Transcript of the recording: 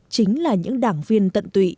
chính là những đảng viên tận tụy